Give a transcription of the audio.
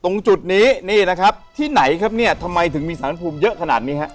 ตรงจุดนี้ที่ไหนทำไมถึงมีสารพระภูมิเยอะขนาดนี้ครับ